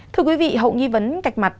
thưa quý vị hậu nghi vấn cạch mặt